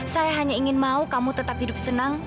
saya hanya ingin mau kamu tetap hidup senang